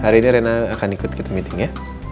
hari ini rina akan ikut kita meeting ya